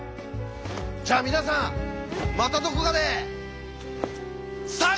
じゃあ皆さんまたどこかでサンキュー！